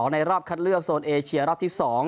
ในรอบคัดเลือกโซนเอเชียรอบที่๒